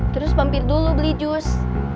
terus mampir dulu beli jus